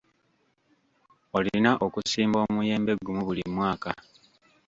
Olina okusimba omuyembe gumu buli mwaka.